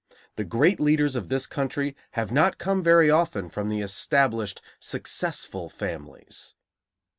The great leaders of this country have not come very often from the established, "successful" families.